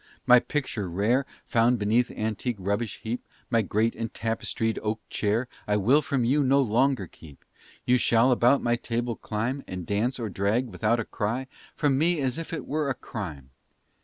my picture rare Found beneath antique rubbish heap, My great and tapestried oak chair I will from you no longer keep. You shall about my table climb, And dance, or drag, without a cry From me as if it were a crime.